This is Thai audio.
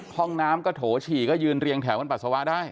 ห้องน้ำก็โถฉี่ก็ยืนเรียงแถวกันปัสสาวะได้